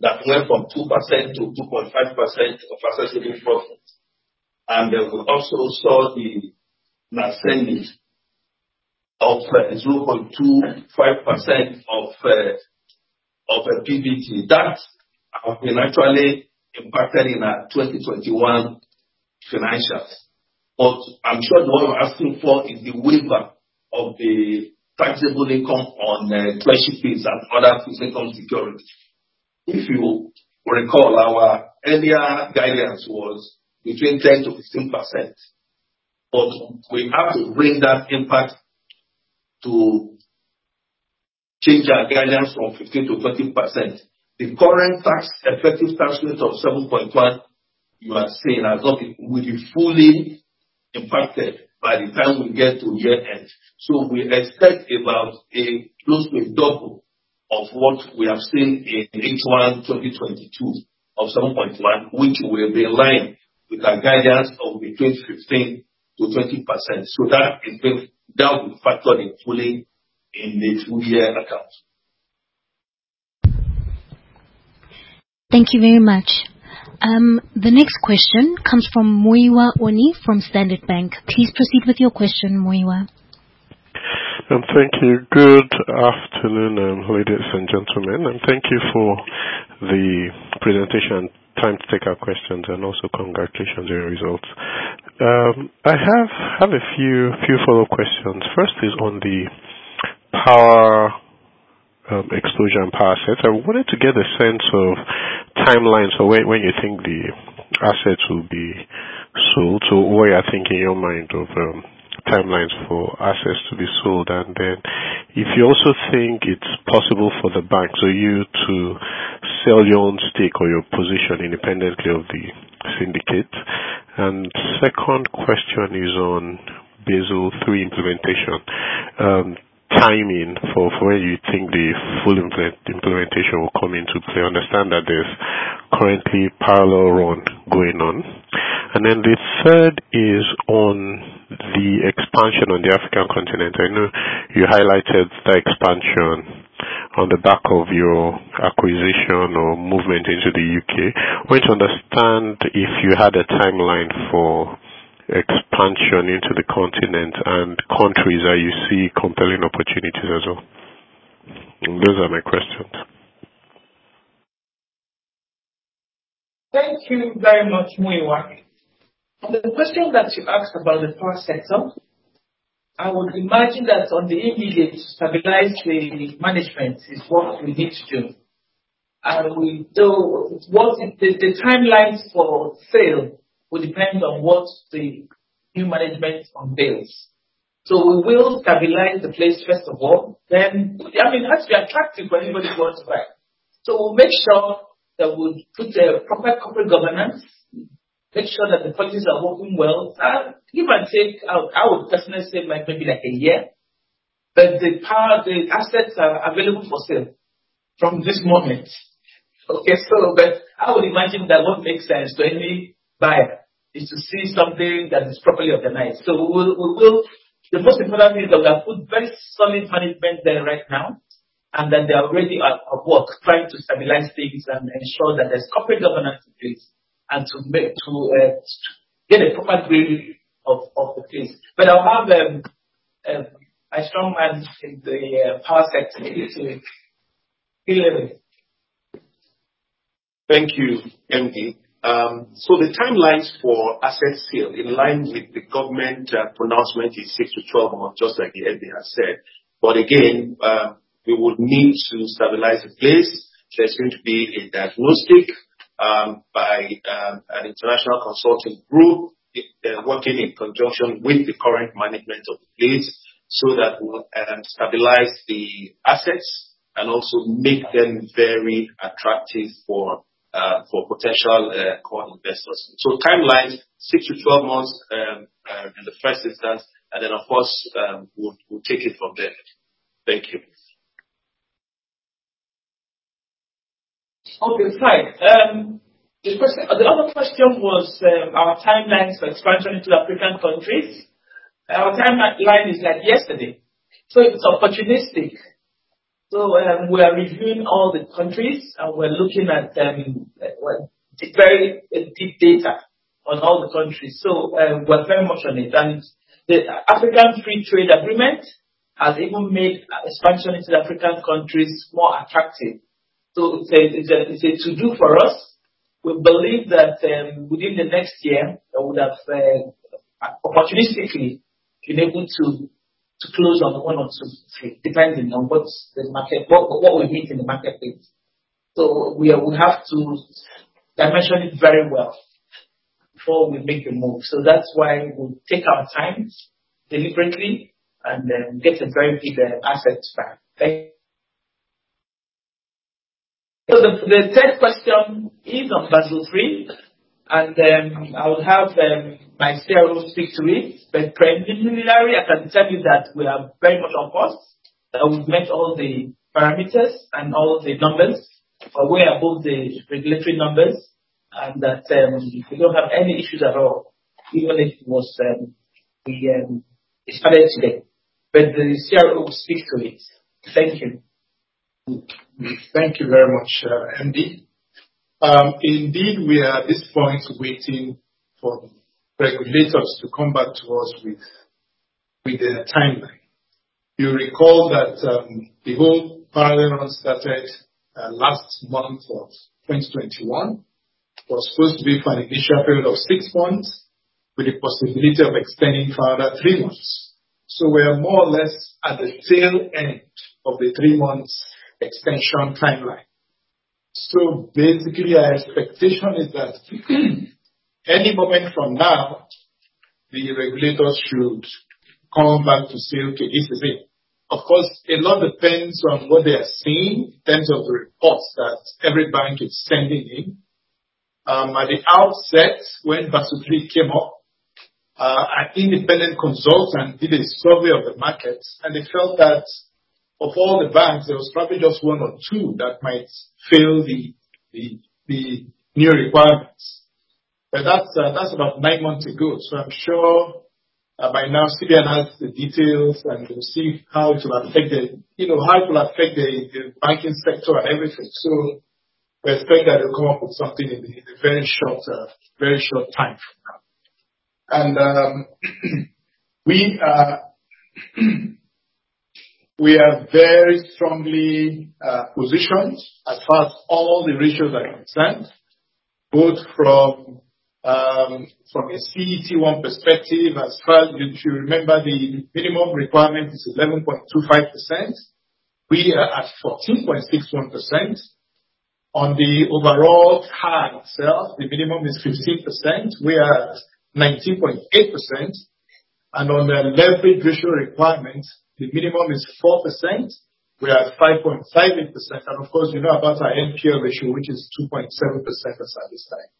that went from 2%-2.5% of assessing profits. Then we also saw the imposition of 0.25% of PBT. That has actually been impacted in our 2021 financials. I'm sure what you're asking for is the waiver of the taxable income on treasury bills and other fixed income securities. If you recall, our earlier guidance was between 10%-15%, but we have to bring that impact to change our guidance from 15%-20%. The current tax effective tax rate of 7.1 you are seeing will be fully impacted by the time we get to year end. We expect about close to a double of what we have seen in H1 2022 of 7.1, which will be in line with our guidance of between 15%-20%. That will be factored in fully in the full year accounts. Thank you very much. The next question comes from Muyiwa Oni from Standard Bank. Please proceed with your question, Muyiwa. Thank you. Good afternoon, ladies and gentlemen, and thank you for the presentation. Time to take our questions, and also congratulations on your results. I have a few follow-up questions. First is on the power exposure on power sector. I wanted to get a sense of timelines for when you think the assets will be sold. So what you are thinking in your mind of timelines for assets to be sold. And then if you also think it's possible for the bank, so you to sell your own stake or your position independently of the syndicate. And second question is on Basel III implementation, timing for when you think the full implementation will come into play. I understand that there's currently parallel run going on. And then the third is on the expansion on the African continent. I know you highlighted the expansion on the back of your acquisition or movement into the U.K. I want to understand if you had a timeline for expansion into the continent and countries that you see compelling opportunities as well. Those are my questions. Thank you very much, Muyiwa. On the question that you asked about the power sector, I would imagine that on the immediate, stabilize the management is what we need to do. What is the timelines for sale will depend on what the new management unveils. We will stabilize the place first of all. Then, I mean, it has to be attractive for anybody who wants to buy. We'll make sure that we put a proper corporate governance, make sure that the policies are working well. Give and take, I would personally say like maybe like a year. The power, the assets are available for sale from this moment. Okay. I would imagine that what makes sense to any buyer is to see something that is properly organized. The most important thing is that we have put very solid management there right now, and that they are already at work trying to stabilize things and ensure that there's corporate governance in place to get a proper reading of the things. I'll have a strong man in the power sector, his name is Hillary. Thank you, MD. The timelines for asset sale in line with the government pronouncement is six to 12 months, just like the MD has said. Again, we would need to stabilize the place. There's going to be a diagnostic. By an international consulting group. They're working in conjunction with the current management of the lease so that we'll stabilize the assets and also make them very attractive for potential core investors. Timeline, six to 12 months, in the first instance, and then of course, we'll take it from there. Thank you. Okay, fine. The other question was our timelines for expansion into African countries. Our timeline is like yesterday, so it's opportunistic. We are reviewing all the countries and we're looking at what. It's big data on all the countries. We're very much on it. The African Free Trade Agreement has even made expansion into African countries more attractive. It's a to-do for us. We believe that within the next year we would have opportunistically been able to close on one or two, depending on what the market what we meet in the marketplace. We have to dimension it very well before we make the move. That's why we'll take our time deliberately and get a very big asset stack. Thank you. The third question is on Basel III, and I will have my CRO speak to it. But preliminarily, I can tell you that we are very much on course, that we've met all the parameters and all the numbers. We're way above the regulatory numbers and that we don't have any issues at all, even if it started today. But the CRO will speak to it. Thank you. Thank you very much, MD. Indeed we are at this point waiting for regulators to come back to us with a timeline. You'll recall that the whole process started last month of 2021. It was supposed to be for an initial period of six months, with the possibility of extending for another three months. We are more or less at the tail end of the three months extension timeline. Basically our expectation is that any moment from now, the regulators should come back to say, "Okay, this is it." Of course, a lot depends on what they are seeing, in terms of the reports that every bank is sending in. At the outset, when Basel III came up, an independent consultant did a survey of the markets, and they felt that of all the banks, there was probably just one or two that might fail the new requirements. That's about nine months ago, so I'm sure that by now CBN has the details and can see how it will affect the banking sector and everything. We expect that they'll come up with something in a very short time from now. We are very strongly positioned as far as all the ratios are concerned, both from a CET1 perspective. As far as. If you remember, the minimum requirement is 11.25%. We are at 14.61%. On the overall high itself, the minimum is 15%. We are at 19.8%. On the leverage ratio requirement, the minimum is 4%. We are at 5.58%. Of course, you know about our NPL issue, which is 2.7% as at this time.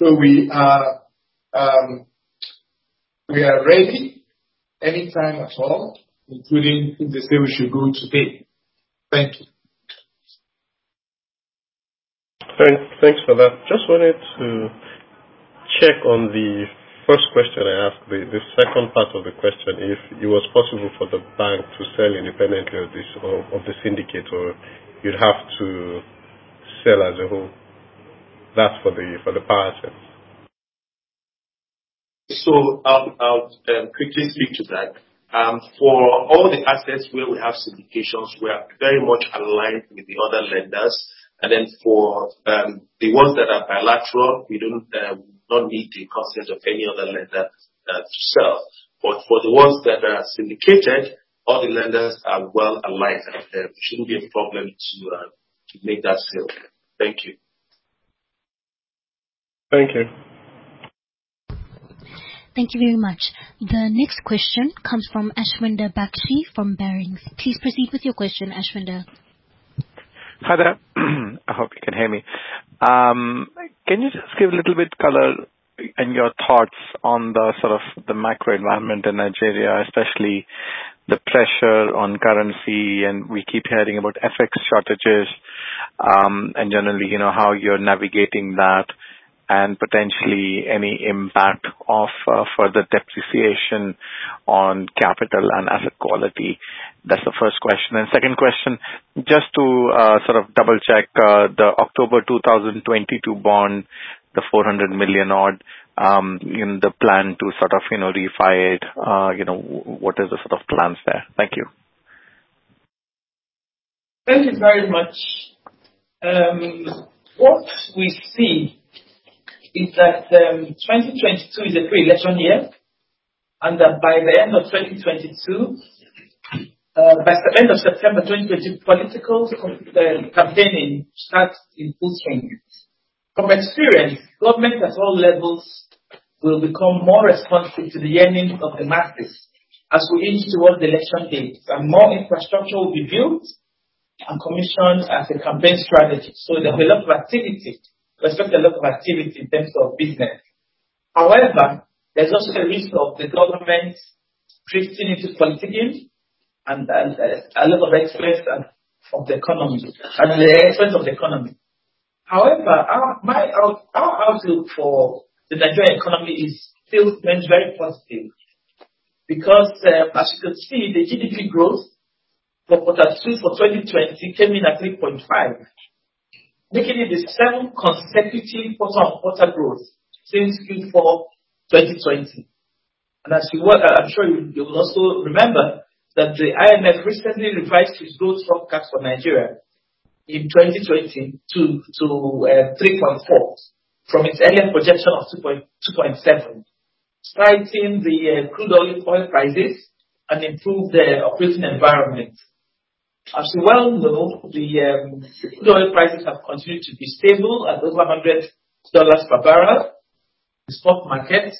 We are ready anytime at all, including if they say we should go today. Thank you. Thanks for that. Just wanted to check on the first question I asked, the second part of the question, if it was possible for the bank to sell independently of the syndicate, or you'd have to sell as a whole? That's for the power sales. I'll quickly speak to that. For all the assets where we have syndications, we are very much aligned with the other lenders. For the ones that are bilateral, we don't need the consent of any other lender to sell. For the ones that are syndicated, all the lenders are well aligned, and there shouldn't be a problem to make that sale. Thank you. Thank you. Thank you very much. The next question comes from Ashwinder Bakhshi from Barings. Please proceed with your question, Ashwinder. Hi there. I hope you can hear me. Can you just give a little bit color and your thoughts on the sort of the macro environment in Nigeria, especially the pressure on currency, and we keep hearing about FX shortages. Generally, you know, how you're navigating that and potentially any impact of further depreciation on capital and asset quality. That's the first question. Second question, just to sort of double-check, the October 2022 bond, the $400 million odd, in the plan to sort of, you know, refi it, you know, what is the sort of plans there? Thank you. Thank you very much. What we see is that 2022 is a pre-election year, and that by the end of September 2022, campaigning starts in full swing. From experience, government at all levels will become more responsive to the yearning of the masses as we inch towards the election date, and more infrastructure will be built and commissioned as a campaign strategy. There'll be a lot of activity. Expect a lot of activity in terms of business. However, there's also the risk of the government drifting into politicking and a level of negligence of the economy at the expense of the economy. However, our outlook for the Nigerian economy is still very positive because, as you can see, the GDP growth for Q2 2020 came in at 3.5%, making it the 7th consecutive quarter-on-quarter growth since Q4 2020. I'm sure you will also remember that the IMF recently revised its growth forecast for Nigeria in 2020 to 3.4% from its earlier projection of 2.7%, citing the crude oil prices and improved operating environment. As you well know, the crude oil prices have continued to be stable at over $100 per barrel in spot market,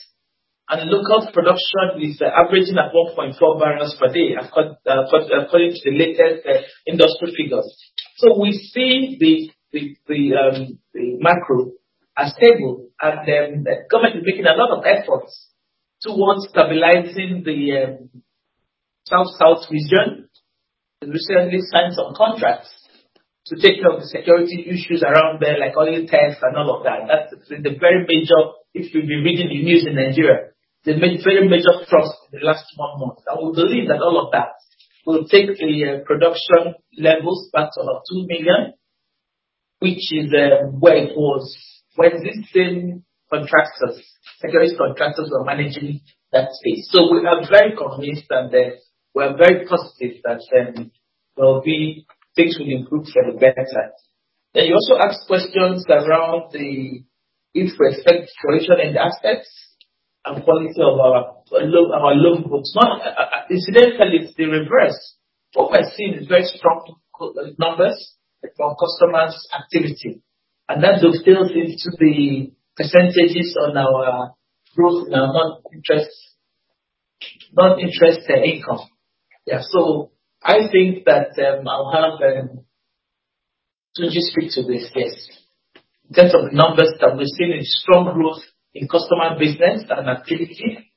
and local production is averaging at 1.4 barrels per day according to the latest industrial figures. We see the macro as stable and the government is making a lot of efforts towards stabilizing the South South region. It recently signed some contracts to take care of the security issues around there, like oil theft and all of that. That's been the very major thrust, if you've been reading the news in Nigeria, in the last one month. We believe that all of that will take the production levels back to about 2 million, which is where it was when these same contractors, security contractors, were managing that space. We are very convinced and we are very positive that things will improve for the better. You also asked questions around the interest rate situation and the assets and quality of our loan books. No, incidentally it's the reverse. What we're seeing is very strong core numbers from customers' activity, and that will filter into the percentages on our growth in our non-interest income. Yeah. I think that, I'll have Adetunji speak to this first. In terms of the numbers that we've seen a strong growth in customer business and activity.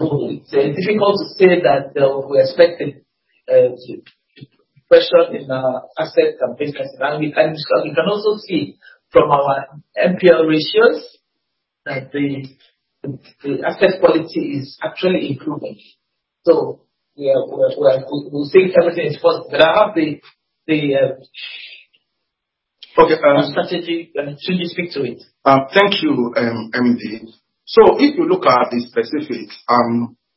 It's difficult to say that, we're expecting pressure in our assets and business value. You can also see from our NPL ratios that the asset quality is actually improving. We think everything is positive. But I'll have Adetunji speak to the strategy. Thank you, MD. If you look at the specifics,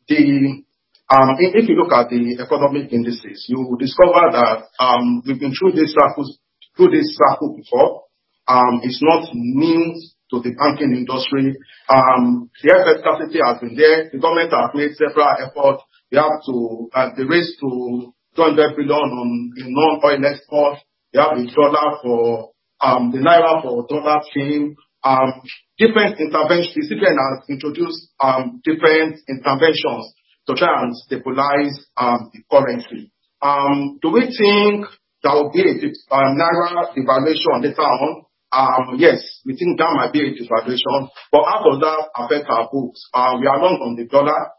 if you look at the economic indices, you will discover that we've been through this circle before. It's not news to the banking industry. The FX scarcity has been there. The government has made several efforts. They have the race to $200 billion in non-oil exports. They have the Naira 4 Dollar Scheme. Different interventions. CBN has introduced different interventions to try and stabilize the currency. Do we think there will be a bit of Naira devaluation later on? Yes, we think there might be a devaluation. How does that affect our books? We are long on the dollar.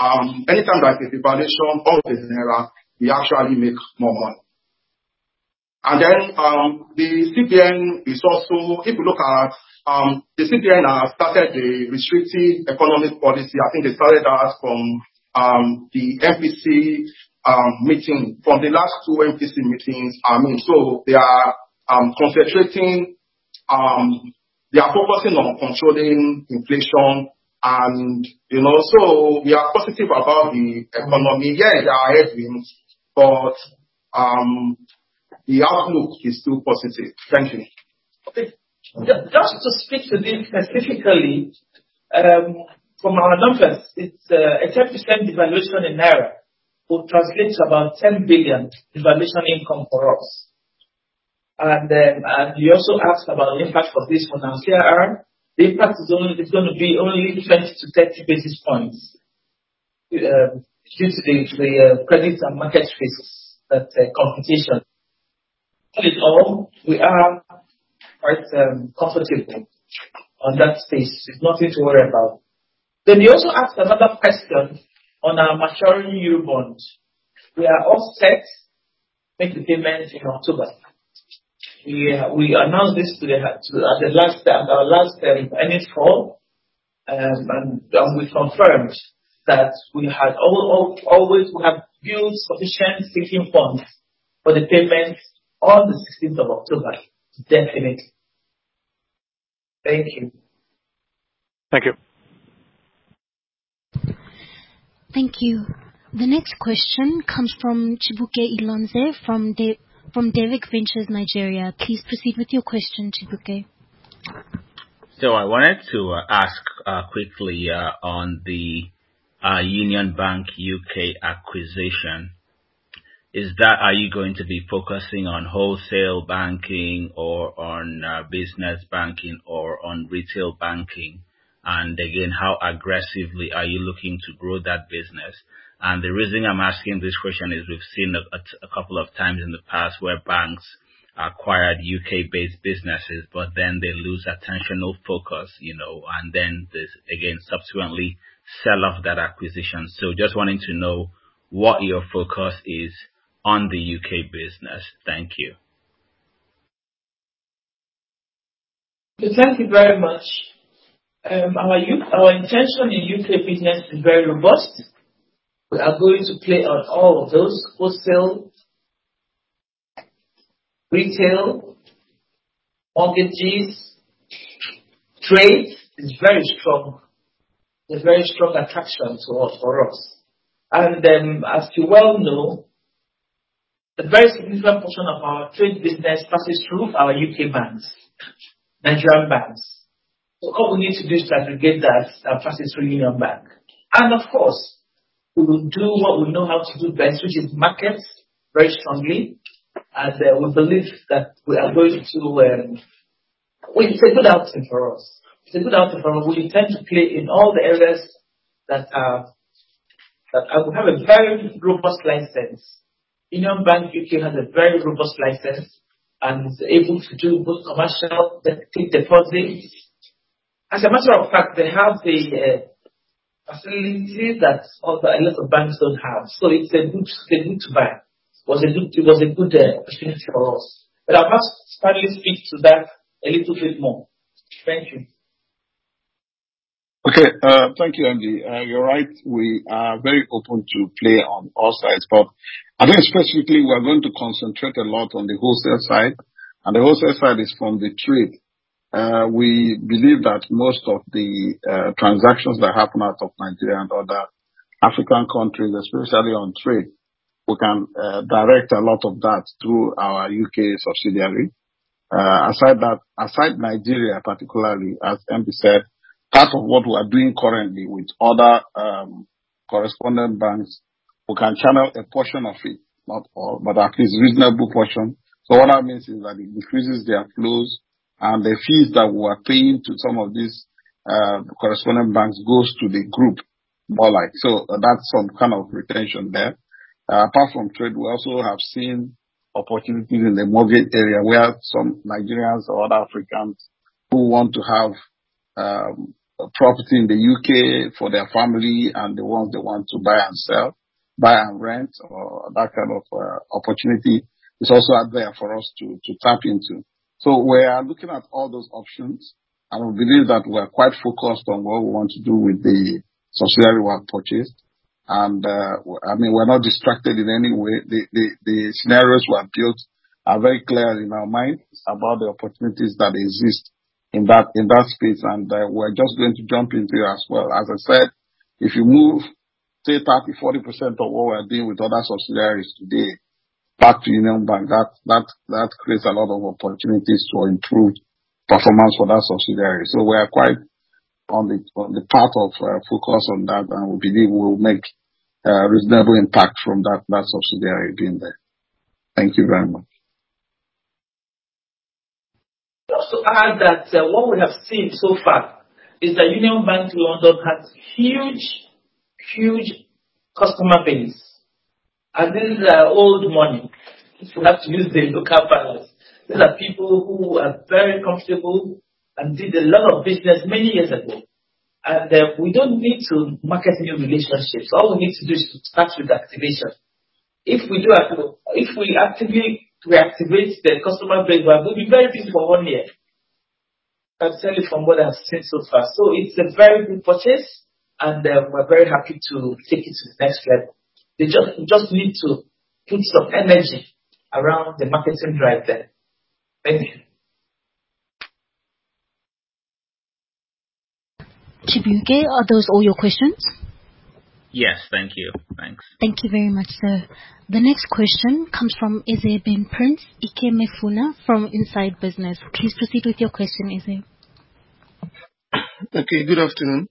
Any time there's a devaluation of the Naira, we actually make more money. The CBN has also started a restrictive economic policy. I think they started that from the last two MPC meetings, I mean. They are focusing on controlling inflation and, you know. We are positive about the economy. Yes, there are headwinds, but the outlook is still positive. Thank you. Just to speak to this specifically, from our numbers, it is a 10% devaluation in Naira would translate to about 10 billion devaluation income for us. You also asked about the impact of this on our CRR. The impact is only going to be 20-30 basis points due to the credit and market risk computation. All in all, we are quite comfortable in that space. There's nothing to worry about. You also asked another question on our maturing Eurobonds. We are all set to make the payment in October. We announced this at our last earnings call. We confirmed that we have always built sufficient sinking funds for the payment on the sixteenth of October, definite. Thank you. Thank you. Thank you. The next question comes from Chibuike Ilonze from Davik Ventures Nigeria. Please proceed with your question, Chibuike. I wanted to ask quickly on the Union Bank UK acquisition. Are you going to, you know, and then is there, again, subsequently sell off that acquisition. Just wanting to know what your focus is on the U.K. business. Thank you. Thank you very much. Our intention in U.K. business is very robust. We are going to play on all of those wholesale, retail, mortgages, trade. It's very strong. There's very strong attraction to us, for us. As you well know, a very significant portion of our trade business passes through our U.K. banks, Nigerian banks. All we need to do is to aggregate that and pass it through Union Bank UK. Of course, we will do what we know how to do best, which is market very strongly. We believe that we are going to. It's a good outing for us. We intend to play in all the areas that are. We have a very robust license. Union Bank UK has a very robust license and able to do both commercial, take deposit. As a matter of fact, they have the facilities that a lot of banks also don't have. It's a good opportunity for us. I'll have Stanley speak to that a little bit more. Thank you. Okay. Thank you, MD. You're right, we are very open to play on all sides. I think specifically we are going to concentrate a lot on the wholesale side. The wholesale side is from the trade. We believe that most of the transactions that happen out of Nigeria and other African countries, especially on trade, we can direct a lot of that through our UK subsidiary. Aside that, aside Nigeria particularly, as MD said, part of what we are doing currently with other correspondent banks, we can channel a portion of it, not all, but at least reasonable portion. What that means is that it increases their flows and the fees that were paying to some of these correspondent banks goes to the group more like. That's some kind of retention there. Apart from trade, we also have seen opportunities in the mortgage area. We have some Nigerians or other Africans who want to have a property in the U.K. for their family and the ones they want to buy and sell, buy and rent or that kind of opportunity. It's also out there for us to tap into. We are looking at all those options, and we believe that we're quite focused on what we want to do with the subsidiary we have purchased. I mean, we're not distracted in any way. The scenarios we have built are very clear in our minds about the opportunities that exist in that space. We're just going to jump into as well. As I said, if you move 30%-40% of what we are doing with other subsidiaries today back to Union Bank, that creates a lot of opportunities to improve performance for that subsidiary. We are quite on the path of focus on that, and we believe we will make reasonable impact from that subsidiary being there. Thank you very much. Just to add that, what we have seen so far is that Union Bank London has huge customer base. This is old money, if we have to use the local parlance. These are people who are very comfortable and did a lot of business many years ago. We don't need to market new relationships. All we need to do is to start with activation. If we actively reactivate the customer base, we'll be very busy for one year. I'm telling you from what I've seen so far. It's a very good purchase and we're very happy to take it to the next level. We just need to put some energy around the marketing drive there. Thank you. Chibuike, are those all your questions? Yes. Thank you. Thanks. Thank you very much, sir. The next question comes from Eze Ben Prince Ikemefuna from Inside Business. Please proceed with your question, Eze. Okay. Good afternoon.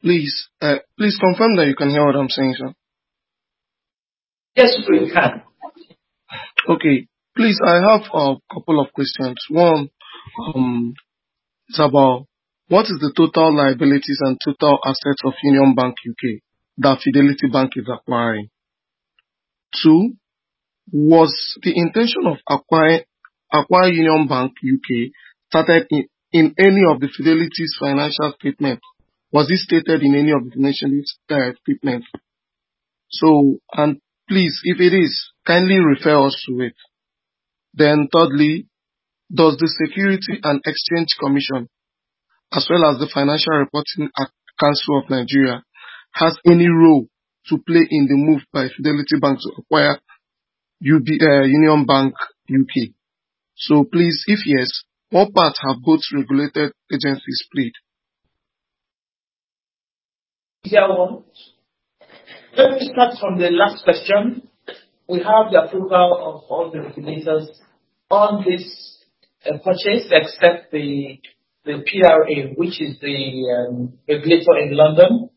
Please confirm that you can hear what I'm saying, sir. Yes, we can. Okay. Please, I have a couple of questions. One, is about what is the total liabilities and total assets of Union Bank UK that Fidelity Bank is acquiring? Two, was the intention of acquiring Union Bank UK started in any of the Fidelity's financial statement? Was it stated in any of the financial statements? And please, if it is, kindly refer us to it. Thirdly, does the Securities and Exchange Commission, as well as the Financial Reporting Council of Nigeria, has any role to play in the move by Fidelity Bank to acquire UB, Union Bank UK? Please, if yes, what part have both regulated agencies played? Yeah. Well, let me start from the last question. We have the approval of all the regulators on this purchase, except the PRA, which is the regulator in London.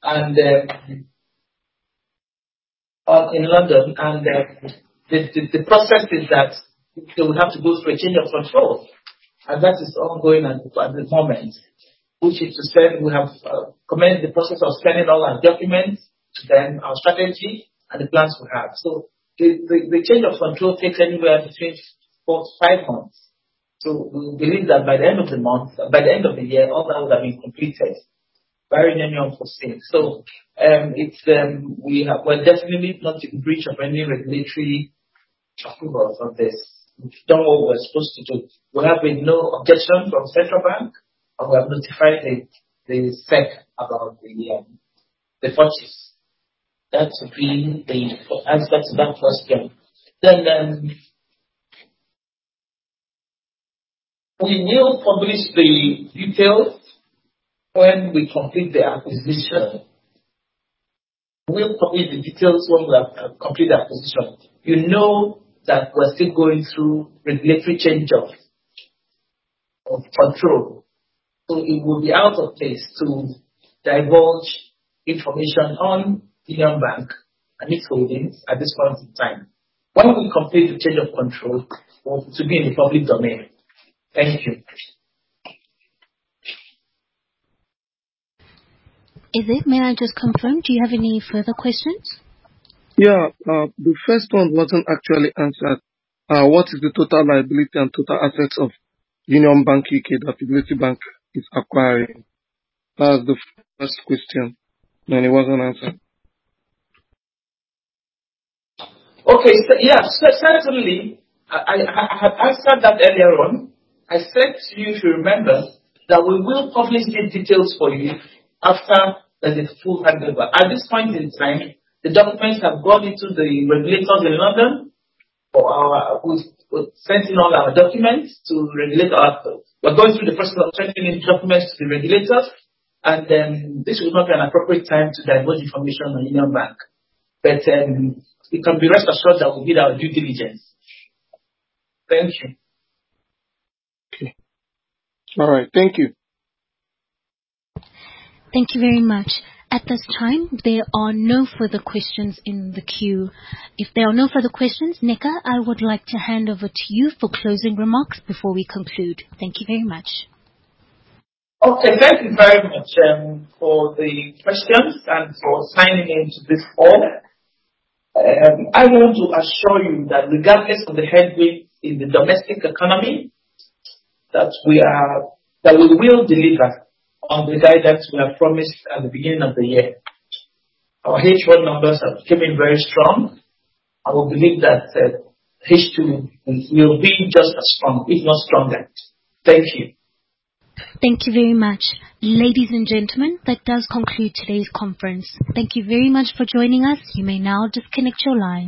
The process is that they would have to go through a change of control, and that is ongoing at the moment, which is to say we have commenced the process of sending all our documents to them, our strategy and the plans we have. The change of control takes anywhere between four to five months. We believe that by the end of the year, all that would have been completed, barring any unforeseen. We're definitely not in breach of any regulatory approvals on this. We've done what we're supposed to do. We have a no objection from Central Bank, and we have notified the SEC about the purchase. That would be the answer to that first one. We will publish the details when we complete the acquisition. We'll publish the details when we complete the acquisition. You know that we're still going through regulatory change of control. It would be out of place to divulge information on Union Bank and its holdings at this point in time. Once we complete the change of control, it will be in the public domain. Thank you. May I just confirm, do you have any further questions? The first one wasn't actually answered. What is the total liability and total assets of Union Bank UK that Fidelity Bank is acquiring? That was the first question, and it wasn't answered. Certainly, I answered that earlier on. I said to you, if you remember, that we will publish the details for you after the full handover. At this point in time, the documents have gone to the regulators in London. We've sent in all our documents to regulate our assets. We're going through the process of sending these documents to the regulators, and then this would not be an appropriate time to divulge information on Union Bank. You can be rest assured that we did our due diligence. Thank you. Okay. All right. Thank you. Thank you very much. At this time, there are no further questions in the queue. If there are no further questions, Nneka, I would like to hand over to you for closing remarks before we conclude. Thank you very much. Okay. Thank you very much for the questions and for signing into this call. I want to assure you that regardless of the headway in the domestic economy, we will deliver on the guidance we have promised at the beginning of the year. Our H1 numbers have come in very strong. I believe that H2 will be just as strong, if not stronger. Thank you. Thank you very much. Ladies and gentlemen, that does conclude today's conference. Thank you very much for joining us. You may now disconnect your line.